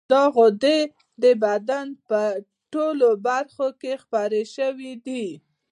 دا غدې د بدن په ټولو برخو کې خپرې شوې دي.